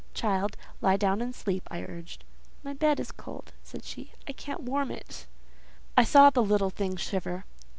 "Child, lie down and sleep," I urged. "My bed is cold," said she. "I can't warm it." I saw the little thing shiver.